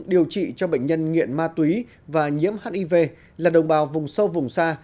điều trị cho bệnh nhân nghiện ma túy và nhiễm hiv là đồng bào vùng sâu vùng xa